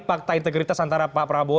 fakta integritas antara pak prabowo